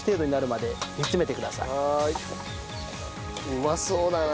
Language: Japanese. うまそうだなあ。